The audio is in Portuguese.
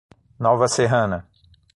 Nova Serrana